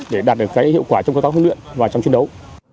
để đạt được cái hiệu quả trong công tác huấn luyện và trong chiến đấu